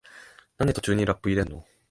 なんで途中にラップ入れんの？